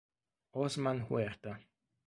Osman Huerta